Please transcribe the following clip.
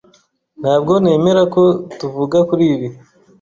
Ntabwo nemera ko tuvuga kuri ibi.